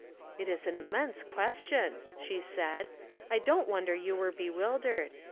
" It is an immense question," she said. '' I don't wonder you were bewildered.